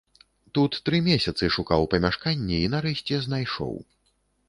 Тут тры месяцы шукаў памяшканне і нарэшце знайшоў.